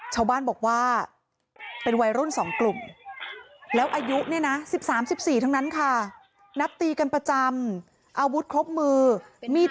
ชาวบ้านบอกว่าเป็นวัยรุ่นสองกลุ่ม